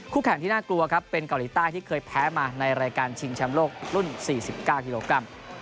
แข่งที่น่ากลัวครับเป็นเกาหลีใต้ที่เคยแพ้มาในรายการชิงแชมป์โลกรุ่น๔๙กิโลกรัม